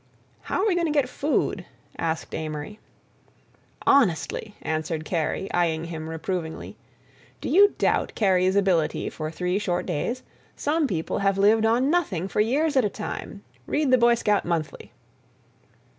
"How're we going to get food?" asked Amory. "Honestly," answered Kerry, eying him reprovingly, "do you doubt Kerry's ability for three short days? Some people have lived on nothing for years at a time. Read the Boy Scout Monthly."